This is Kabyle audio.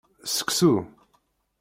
Seksu.